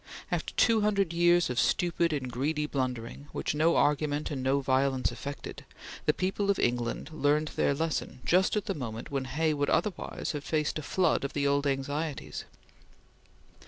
After two hundred years of stupid and greedy blundering, which no argument and no violence affected, the people of England learned their lesson just at the moment when Hay would otherwise have faced a flood of the old anxieties.